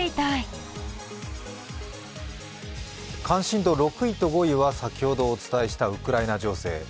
関心度６位と５位は先ほどお伝えしたウクライナ情勢。